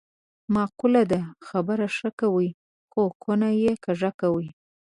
معقوله ده: خبره ښه کوې خو کونه یې کږه کوې.